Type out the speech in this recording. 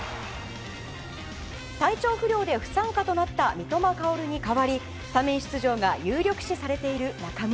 体調不良で不参加となった三笘薫に代わりスタメン出場が有力視されている中村。